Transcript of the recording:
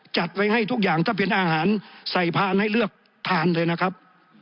จัดไว้ให้ทุกอย่างถ้าเป็นอาหารใส่พานให้เลือกทานเลยนะครับ